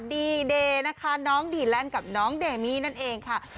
ดีเดย์นะคะน้องดีแลนด์กับน้องเดมี่นั่นเองค่ะ